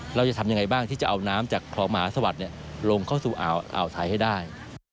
เราจะทำยังไงบ้างที่จะเอาน้ำจากคลองมหาสวัสดิ์ลงเข้าสู่อ่าวไทยให้ได้